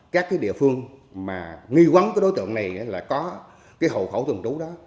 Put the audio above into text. các cái địa phương mà nghi quấn cái đối tượng này là có cái hậu khẩu thường trú đó